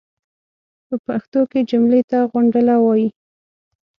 پۀ پښتو کې جملې ته غونډله وایي.